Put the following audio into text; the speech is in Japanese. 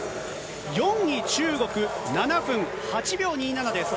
４位中国、７分８秒２７です。